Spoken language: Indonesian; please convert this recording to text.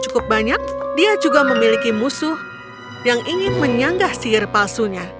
cukup banyak dia juga memiliki musuh yang ingin menyanggah sihir palsunya